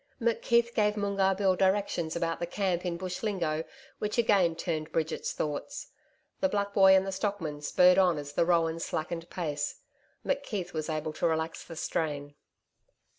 McKeith gave Moongarr Bill directions about the camp in Bush lingo, which again turned Bridget's thoughts. The black boy and the stockman spurred on as the roans slackened pace. McKeith was able to relax the strain.